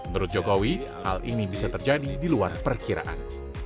menurut jokowi hal ini bisa terjadi di luar perkiraan